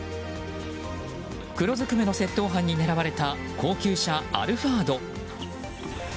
黒ずくめの窃盗犯に狙われた高級車アルファード。